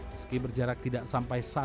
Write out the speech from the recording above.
meski berjarak tidak sampai